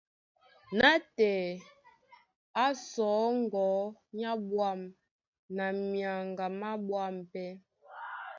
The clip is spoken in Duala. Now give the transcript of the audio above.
Nátɛɛ á sɔ̌ ŋgɔ̌ á ɓwâm na myaŋga má ɓwâm pɛ́.